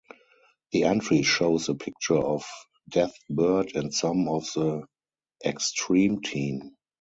The entry shows a picture of Deathbird and some of the X-Treme team.